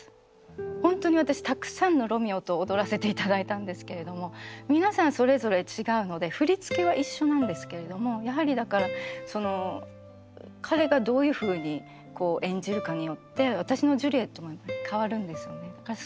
本当に私たくさんのロミオと踊らせて頂いたんですけれども皆さんそれぞれ違うので振り付けは一緒なんですけれどもやはりだからその彼がどういうふうに演じるかによって私のジュリエットも変わるんですよね。